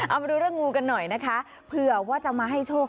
เอามาดูเรื่องงูกันหน่อยนะคะเผื่อว่าจะมาให้โชค